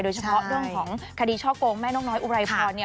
โดยเฉพาะเรื่องของคดีช้อโกงไม่น้องน้อยอุรายฟรรณ์